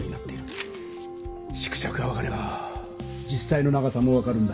縮尺が分かれば実さいの長さも分かるんだ。